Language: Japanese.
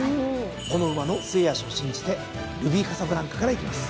この馬の末脚を信じてルビーカサブランカからいきます。